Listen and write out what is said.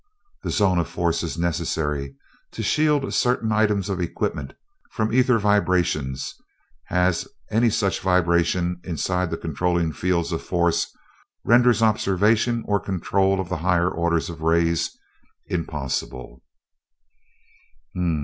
The zone of force is necessary to shield certain items of equipment from ether vibrations; as any such vibration inside the controlling fields of force renders observation or control of the higher orders of rays impossible."